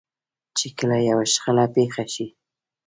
چې کله يوه شخړه پېښه شي.